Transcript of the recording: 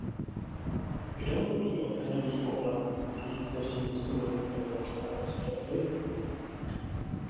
Kdo mluví o daňových poplatnících, kteří nesou rizika této katastrofy?